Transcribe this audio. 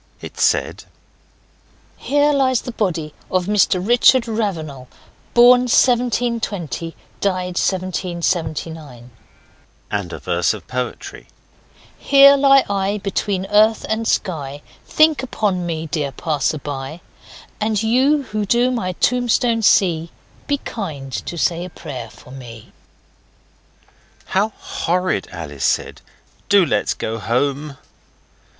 It said 'Here lies the body of Mr Richard Ravenal Born 1720. Died 1779.' and a verse of poetry: 'Here lie I, between earth and sky, Think upon me, dear passers by, And you who do my tombstone see Be kind to say a prayer for me.' 'How horrid!' Alice said. 'Do let's get home.